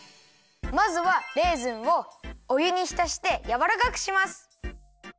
まずはレーズンをおゆにひたしてやわらかくします。